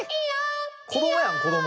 子どもやん子ども。